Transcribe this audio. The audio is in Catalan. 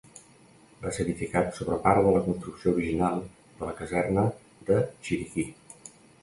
Va ser edificat sobre part de la construcció original de la Caserna de Chiriquí.